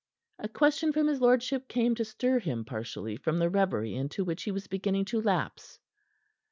A question from his lordship came to stir him partially from the reverie into which he was beginning to lapse.